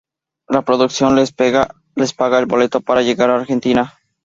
La producción les paga el boleto para llegar a Argentina.